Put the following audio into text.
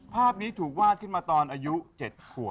ภาพนี้ถูกวาดขึ้นมาตอนอายุ๗ขวบ